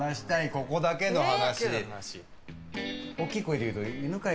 ここだけの話。